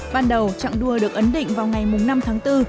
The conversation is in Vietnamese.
ban đầu chặng đua được ấn định vào ngày năm tháng bốn